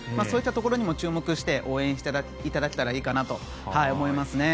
そうしたところに注目して応援していただきたいと思います。